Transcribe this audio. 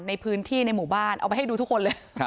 ในพื้นที่ในหมู่บ้านเอาไปให้ดูทุกคนเลย